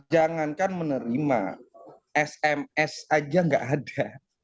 jangankan menerima sms aja nggak ada